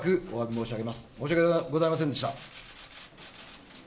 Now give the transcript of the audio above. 申し訳ございませんでした。